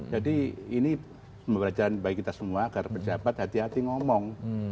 jadi ini pembelajaran bagi kita semua agar pejabat hati hati ngomong